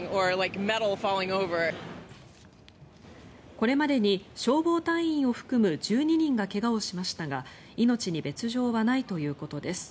これまでに消防隊員を含む１２人が怪我をしましたが命に別条はないということです。